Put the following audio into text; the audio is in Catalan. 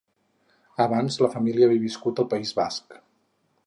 Abans la família havia viscut al País Basc.